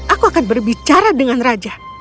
aku akan berbicara dengan raja